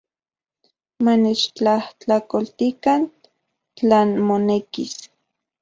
Manechtlajtlakoltikan tlan monekis.